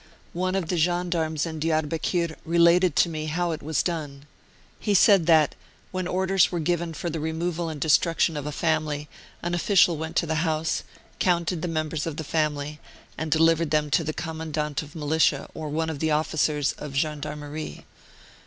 One of the gendarmes in Diarbekir related to me how it was done. He said that, when orders were given for the removal and destruction of a family, an official went to the house, counted the members of the family, and de livered them to the Commandant of Militia or one of the officers of Gendarmerie.